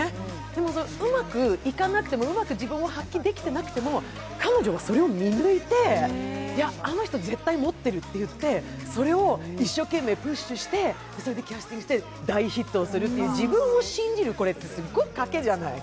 でもうまくいかなくても、うまく自分を発揮できていなくても彼女はそれを見抜いて、「あの人絶対持ってる」って言って、それを一生懸命プッシュして、キャスティングして大ヒットするという、自分を信じるこれってすごく賭けじゃない。